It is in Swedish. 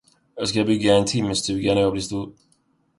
Jag ska bygga en timmerstuga när jag blir stor.